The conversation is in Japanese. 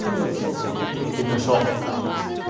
最高気温、見ていきましょう。